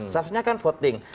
seharusnya kan voting